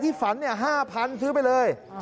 ที่ฝันเนี่ย๕๐๐๐ซื้อไปเลย